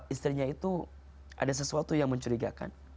istrinya itu ada sesuatu yang mencurigakan